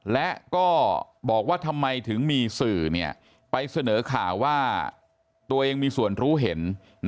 และก็บอกว่าทำไมถึงมีสื่อไปเสนอข่าวว่าตัวเองมีส่วนรู้เห็น